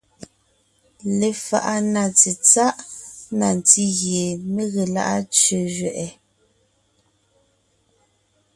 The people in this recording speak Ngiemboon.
Lefaʼa na tsetsáʼ na ntí gie mé ge lá’a tsẅé zẅɛʼɛ: